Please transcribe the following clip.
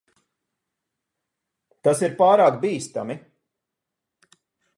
Tas ir pārāk bīstami.